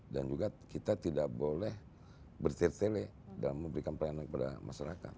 dan juga kita tidak boleh bertirtele dalam memberikan pelayanan kepada masyarakat